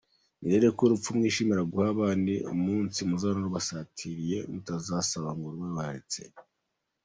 Nizereko urupfu mwishimira guha abandi umunsi muzabona rubasatiriye mutazasaba ngo rube rubaretse?